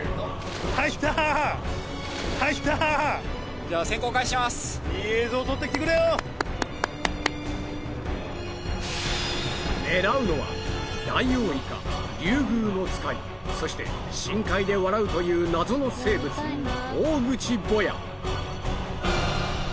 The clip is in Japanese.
入った入ったじゃあ潜行開始しますいい映像撮ってきてくれよ狙うのはダイオウイカリュウグウノツカイそして深海で笑うという謎の生物オオグチボヤ！